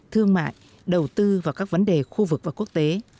thương mại đầu tư vào các vấn đề khu vực và quốc tế